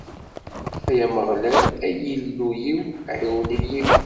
Ay Ameɣlal, ay Illu-iw, ɛiwen-iyi!